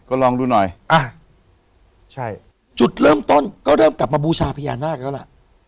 ก็ลองดูหน่อยอ่ะใช่จุดเริ่มต้นก็เริ่มกลับมาบูชาพญานาคแล้วล่ะ